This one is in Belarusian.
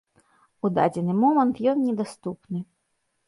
У дадзены момант ён недаступны.